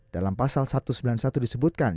dalam pasal satu ratus sembilan puluh satu disebutkan